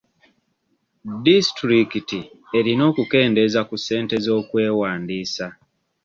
Disitulikiti erina okukendeeza ku ssente z'okwewandiisa.